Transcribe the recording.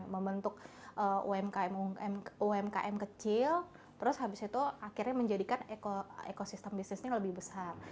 membentuk umkm kecil terus habis itu akhirnya menjadikan ekosistem bisnisnya lebih besar